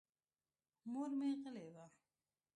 مور مې غلې وه.